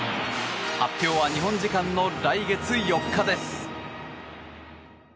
発表は日本時間の来月４日です。